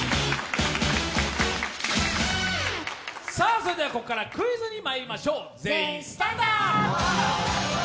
それではここからクイズにまいりましょう。